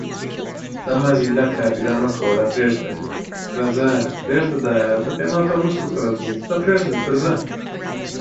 It can be done using a mail server with telnet.